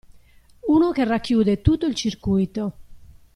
Uno che racchiude tutto il circuito.